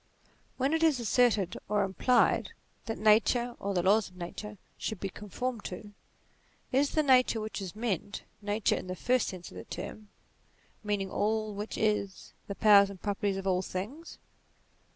When it is asserted, or implied, that Nature, or the laws of Nature, should be conformed to, is the Nature which is meant, Nature in the first sense of the term, meaning all which is the powers and properties of all things